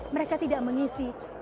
mereka tidak mengisi